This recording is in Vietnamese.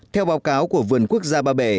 theo báo cáo của vườn quốc gia ba bể